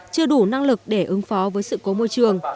chưa đủ năng lực để ứng phó với sự cố môi trường